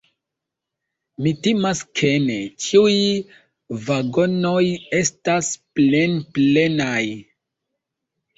Mi timas ke ne; ĉiuj vagonoj estas plenplenaj.